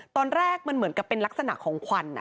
ตอนแรกมันเหมือนกับเป็นลักษณะของควัน